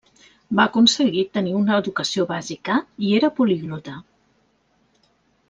Va aconseguir tenir una educació bàsica i era poliglota.